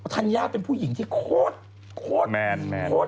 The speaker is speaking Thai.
ธัญญาเป็นผู้หญิงที่โคตรแมนโค้ด